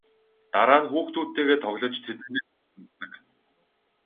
Дараа нь хүүхдүүдтэйгээ тоглож тэдэндээ цаг гаргадаг.